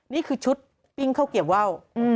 นี่คือชุดปิ้งข้าวเกียบว่าว